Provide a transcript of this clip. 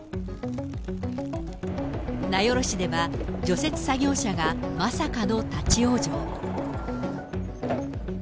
名寄市では、除雪作業車がまさかの立往生。